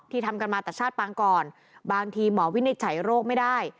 ทำกันมาแต่ชาติปางก่อนบางทีหมอวินิจฉัยโรคไม่ได้